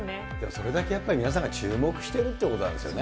それだけやっぱり皆さんが注目してるっていうことなんですよね。